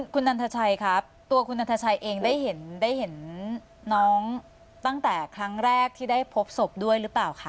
คุณนันทชัยครับตัวคุณนันทชัยเองได้เห็นได้เห็นน้องตั้งแต่ครั้งแรกที่ได้พบศพด้วยหรือเปล่าคะ